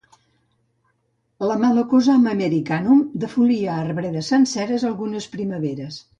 La malacosoma americanum defolia arbredes senceres algunes primaveres.